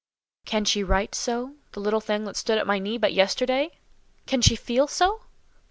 "Can she write so—the little thing that stood at my knee but yesterday? Can she feel so?"